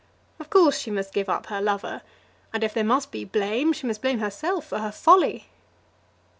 Of course she must give up her lover; and if there must be blame, she must blame herself for her folly!